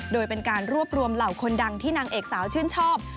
โดยเป็นการรวบรวมเหล่าคนดังที่นางเอกสาวชื่นชอบ